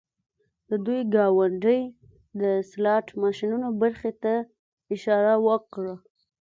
د دوی ګاونډۍ د سلاټ ماشینونو برخې ته اشاره وکړه